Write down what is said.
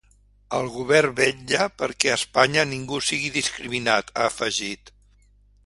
El govern vetlla perquè a Espanya ningú sigui discriminat, ha afegit.